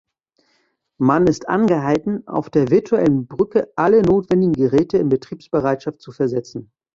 Man ist angehalten, auf der virtuellen Brücke alle notwendigen Geräte in Betriebsbereitschaft zu versetzen.